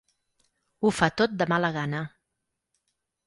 Ho fa tot de mala gana.